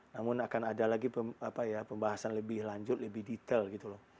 namun akan ada lagi pembahasan lebih lanjut lebih detail gitu loh